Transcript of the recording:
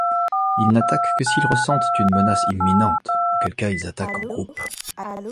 Ils n'attaquent que s'ils ressentent une menace imminente, auquel cas ils attaquent en groupe.